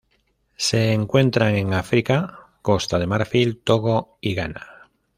Se encuentran en África: Costa de Marfil, Togo y Ghana.